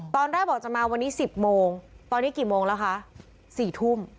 ตอนแรกบอกจะมาวันนี้๑๐โมงตอนนี้กี่โมงแล้วคะ๔ทุ่ม